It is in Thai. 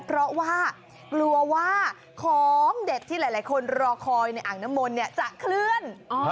เพราะว่ากลัวว่าของเด็ดที่หลายคนรอคอยในอ่างน้ำมนต์จะเคลื่อน